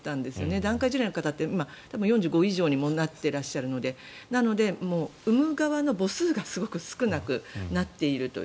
団塊ジュニアの方って今、４５以上になってらっしゃるのでなので、産む側の母数がすごく少なくなっているという。